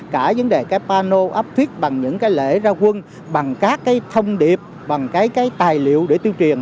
cả vấn đề panel áp thuyết bằng những lễ ra quân bằng các thông điệp bằng tài liệu để tuyên truyền